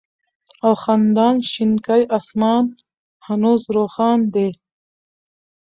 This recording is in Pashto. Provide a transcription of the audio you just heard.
او خندان شينكى آسمان هنوز روښان دى